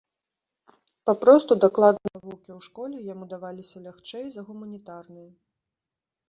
Папросту дакладныя навукі ў школе яму даваліся лягчэй за гуманітарныя.